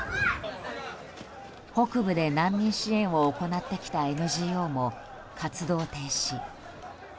北部で難民支援を行ってきたＮＧＯも活動停止。